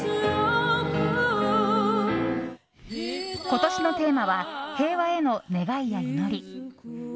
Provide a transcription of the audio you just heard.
今年のテーマは平和への願いや祈り。